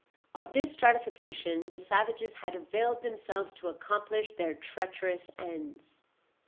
Of this stratification the savages had availed themselves to accomplish their treacherous ends.